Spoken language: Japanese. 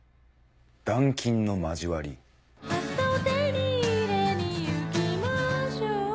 「明日を手に入れにゆきましょう」